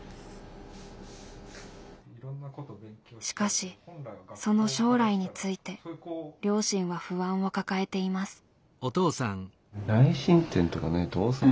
しかしその将来について両親は不安を抱えています。